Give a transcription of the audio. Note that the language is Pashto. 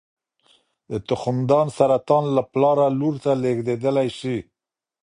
د تخمدان سرطان له پلاره لور ته لېږدېدلی شي.